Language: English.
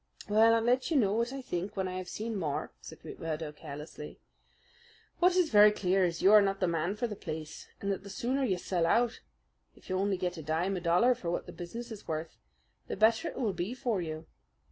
"Well, I'll let you know what I think when I have seen more," said McMurdo carelessly. "What is very clear is that you are not the man for the place, and that the sooner you sell out if you only get a dime a dollar for what the business is worth the better it will be for you.